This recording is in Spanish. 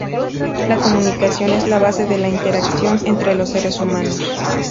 La comunicación es la base de la interacción entre los seres humanos.